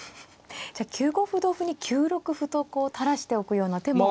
じゃあ９五歩同歩に９六歩とこう垂らしておくような手も。